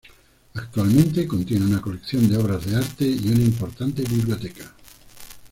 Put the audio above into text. Actualmente contiene una colección de obras de arte y una importante biblioteca.